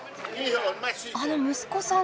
あの息子さん